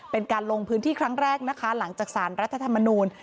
เป็นการลงพื้นที่ครั้งแรกนะคะหลังจากสารรัฐธรรมนูล